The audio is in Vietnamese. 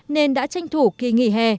nên đã tranh thủ kỳ nghỉ hè